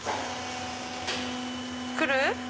来る？